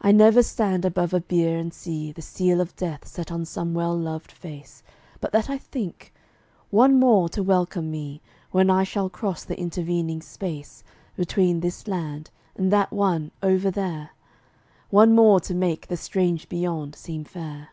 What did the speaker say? I never stand above a bier and see The seal of death set on some well loved face But that I think, "One more to welcome me When I shall cross the intervening space Between this land and that one 'over there'; One more to make the strange Beyond seem fair."